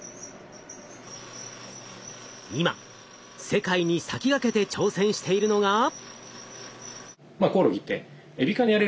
今世界に先駆けて挑戦しているのが。